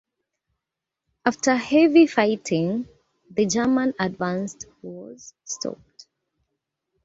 After heavy fighting, the German advance was stopped.